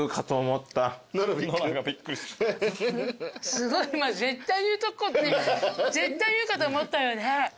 すごい今絶対絶対言うかと思ったよね。